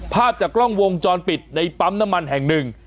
ภาพจากกล้องวงจรปิดในปั๊มน้ำมันแห่งหนึ่ง